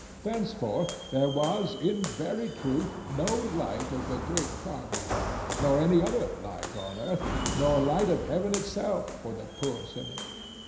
Thenceforth there was in very truth no light of the Great Carbuncle, nor any other light on earth, nor light of heaven itself, for the poor cynic.